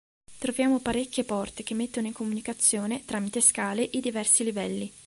Troviamo parecchie porte che mettono in comunicazione, tramite scale, i diversi livelli.